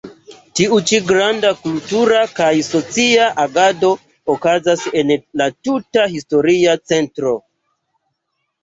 Tiu ĉi granda kultura kaj socia agado okazas en la tuta historia centro.